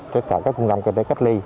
tất cả các cung cấp y tế cách ly